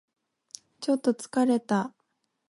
ちょっと疲れた